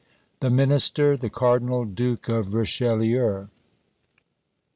THE MINISTER THE CARDINAL DUKE OF RICHELIEU.